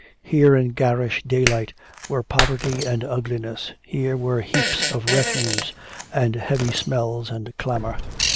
Here in garish daylight were poverty and ugliness, here were heaps of refuse and heavy smells and clamor.